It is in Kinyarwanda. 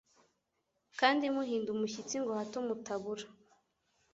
kandi muhinda umushyitsi, ngo hato mutabura